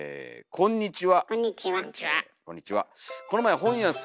こんにちは。